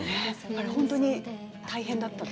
本当に大変だったと。